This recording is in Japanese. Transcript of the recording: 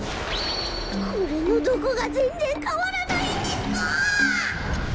これのどこがぜんぜんかわらないんですか！